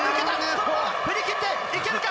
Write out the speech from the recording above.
そのまま振り切って、いけるか？